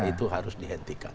itu harus dihentikan